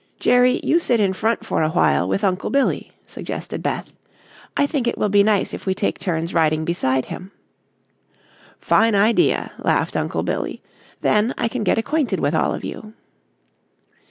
"Jerry, you sit in front for a while with Uncle Billy," suggested Beth. "I think it will be nice if we take turns riding beside him." "Fine idea," laughed Uncle Billy, "then I can get acquainted with all of you."